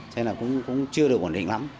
cho nên là cũng chưa được ổn định lắm